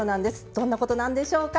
どんなことなんでしょうか。